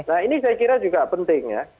nah ini saya kira juga penting ya